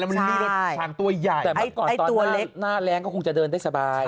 แล้วมันมีรถช้างตัวใหญ่แต่เมื่อก่อนตอนหน้าแรงก็คงจะเดินได้สบาย